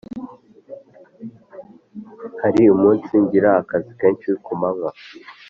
Hari umunsi ngira akazi kenshi ku manywa